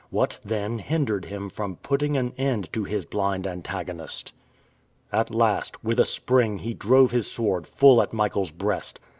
What, then, hindered him from putting an end to his blind antagonist? At last, with a spring he drove his sword full at Michael's breast.